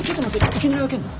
いきなり開けんの？